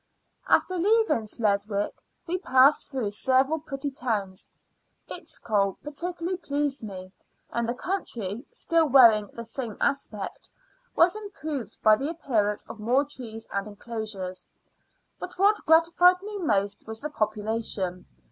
After leaving Sleswick, we passed through several pretty towns; Itzchol particularly pleased me; and the country, still wearing the same aspect, was improved by the appearance of more trees and enclosures. But what gratified me most was the population.